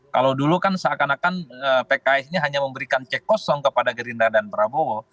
kalau dulu kan seakan akan pks ini hanya memberikan cek kosong kepada gerindra dan prabowo